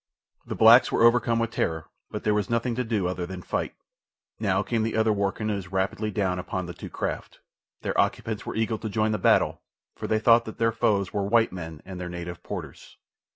The blacks were overcome with terror, but there was nothing to do other than to fight. Now came the other war canoes rapidly down upon the two craft. Their occupants were eager to join the battle, for they thought that their foes were white men and their native porters.